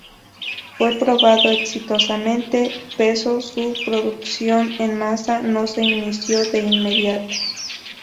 Fue probado exitosamente, peso su producción en masa no se inició de inmediato.